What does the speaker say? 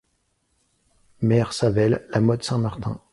Mayres-Savel, La Motte-Saint-Martin.